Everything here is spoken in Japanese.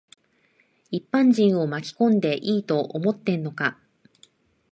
一般人を巻き込んでいいと思ってんのか。